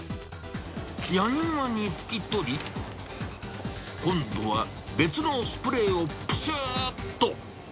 やにわに拭き取り、今度は、別のスプレーをぷしゅーっと。